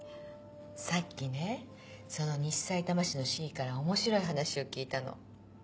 さっきねその西さいたま市の市議から面白い話を聞いたの。